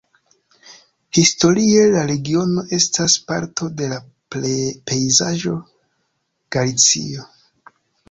Historie la regiono estas parto de la pejzaĝo Galicio.